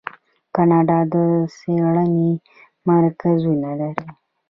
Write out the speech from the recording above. کاناډا د څیړنې مرکزونه لري.